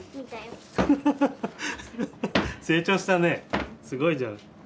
成長したねすごいじゃん。